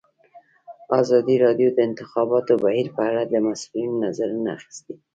ازادي راډیو د د انتخاباتو بهیر په اړه د مسؤلینو نظرونه اخیستي.